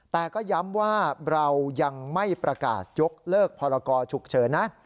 แต่ก็ย้ำว่าเรายังไม่ประกาศยกเลิกพรกรฉุกเฉินนะ